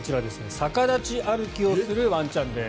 逆立ち歩きをするワンちゃんです。